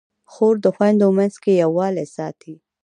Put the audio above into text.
خور د خویندو منځ کې یووالی ساتي.